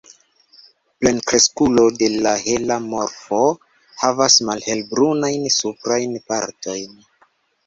Plenkreskulo de la hela morfo havas malhelbrunajn suprajn partojn.